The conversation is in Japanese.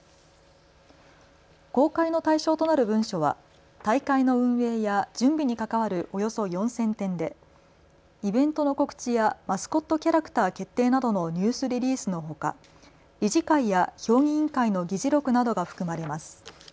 公開の対象となる文書は大会の運営や準備に関わるおよそ４０００点でイベントの告知やマスコットキャラクター決定などのニュースリリースのほか、理事会や評議委員会の議事録などが含まれます。